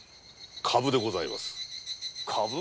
「株」でございます。